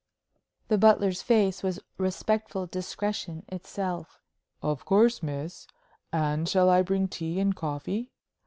The butler's face was respectful discretion itself. "Of course, miss. And shall I bring tea and coffee?"